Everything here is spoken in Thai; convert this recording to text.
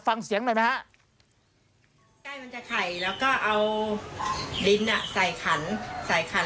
ฟังเสียงหน่อยไหมฮะใกล้มันจะไข่แล้วก็เอาดินอ่ะใส่ขันใส่ขัน